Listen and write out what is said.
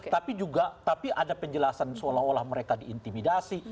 tapi juga tapi ada penjelasan seolah olah mereka diintimidasi